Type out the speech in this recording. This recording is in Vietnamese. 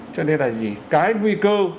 cho nên là cái nguy cơ